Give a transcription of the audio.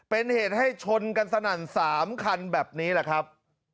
เป็นเหตุให้ชนกันสนั่น๓คันแบบนี้แหละครับ